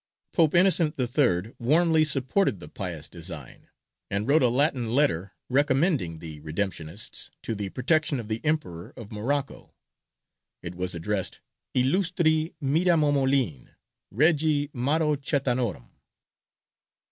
Pope Innocent the Third warmly supported the pious design, and wrote a Latin letter recommending the Redemptionists to the protection of the Emperor of Morocco: it was addressed, Illustri Miramomolin, Regi Marochetanorum.